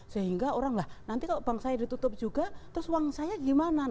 sehingga orang lah nanti kalau bank saya ditutup juga terus uang saya gimana